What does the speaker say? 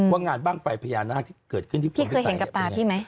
ว่างานบ้างไฟพญานาคที่เกิดขึ้นที่พี่เคยเห็นกับตาพี่ไหม